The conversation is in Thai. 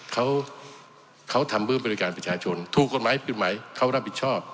เขาเขาทำเพื่อบริการประชาชนถูกกฎหมายผิดหมายเขารับผิดชอบ